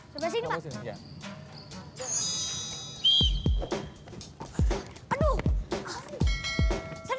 sebelah sini pak